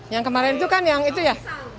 yang kemarin itu kan yang itu ya